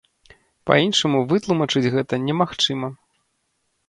Па-іншаму вытлумачыць гэта немагчыма.